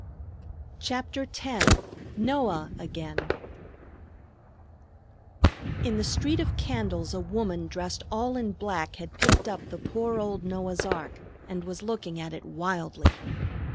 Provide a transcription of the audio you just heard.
CHAPTER X NOAH AGAIN In the street of candles a woman dressed all in black had picked up the poor old Noah's ark and was looking at it wildly.